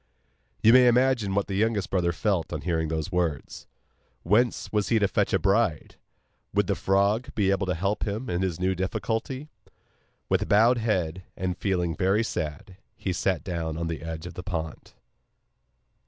You may imagine what the youngest brother felt on hearing these words. Whence was he to fetch a bride? Would the frog be able to help him in this new difficulty? With bowed head, and feeling very sad, he sat down on the edge of the pond.